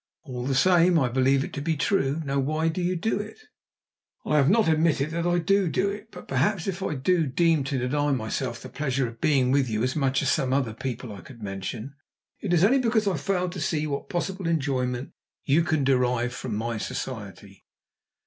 "All the same I believe it to be true. Now, why do you do it?" "I have not admitted that I do do it. But, perhaps, if I do seem to deny myself the pleasure of being with you as much as some other people I could mention, it is only because I fail to see what possible enjoyment you can derive from my society."